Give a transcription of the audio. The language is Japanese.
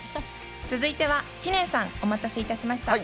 続いては知念さん、お待たせいたしました。